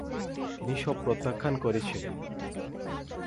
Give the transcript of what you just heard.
তিনি সব প্রত্যাখ্যান করেছিলেন।